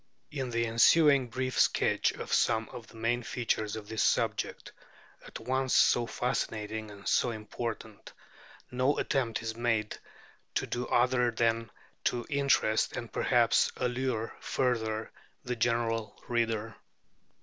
In the ensuing brief sketch of some of the main features of this subject, at once so fascinating and so important, no attempt is made to do other than to interest, and perhaps allure further, the general reader.